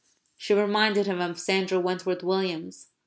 She reminded him of Sandra Wentworth Williams.